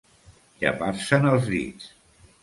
Llepar-se'n els dits.